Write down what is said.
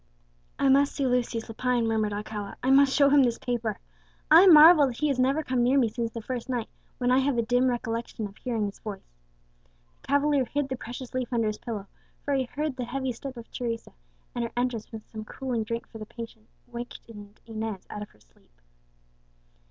"I must see Lucius Lepine," murmured Alcala; "I must show him this paper. I marvel that he has never come near me since the first night, when I have a dim recollection of hearing his voice." The cavalier hid the precious leaf under his pillow; for he heard the heavy step of Teresa, and her entrance with some cooling drink for the patient wakened Inez out of her sleep.